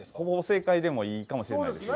正解でもいいかもしれないですね。